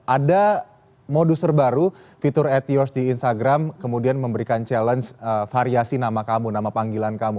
ada modus terbaru fitur at yours di instagram kemudian memberikan challenge variasi nama kamu nama panggilan kamu